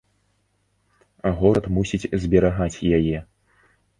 Горад мусіць зберагаць яе.